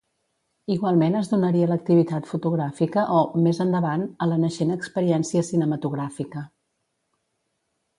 Igualment es donaria l'activitat fotogràfica o, més endavant, a la naixent experiència cinematogràfica.